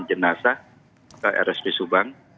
ada sembilan jenazah ke rsb subang